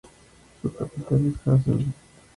Su capital es Hasselt.